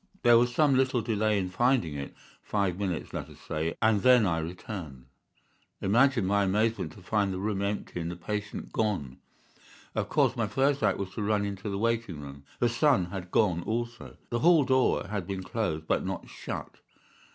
There was some little delay in finding it—five minutes, let us say—and then I returned. Imagine my amazement to find the room empty and the patient gone. "Of course, my first act was to run into the waiting room. The son had gone also. The hall door had been closed, but not shut.